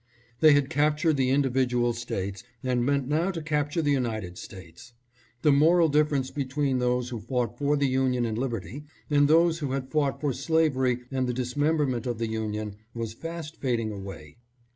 They had captured the individual States and meant now to capture the United States. The moral difference between those who fought for the Union and liberty, and those who had fought for slavery and the dismemberment of the Union, was fast fading away.